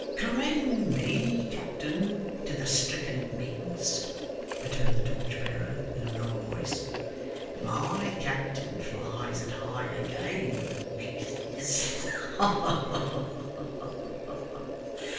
'Commend me, captain, to the stricken Miggs,' returned the torch bearer in a lower voice. 'My captain flies at higher game than Miggses. Ha, ha, ha!